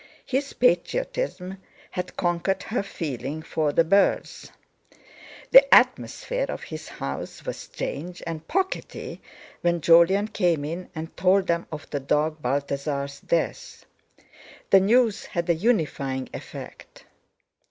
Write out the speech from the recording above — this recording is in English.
His patriotism had conquered her feeling for the Boers. The atmosphere of his house was strange and pocketty when Jolyon came in and told them of the dog Balthasar's death. The news had a unifying effect.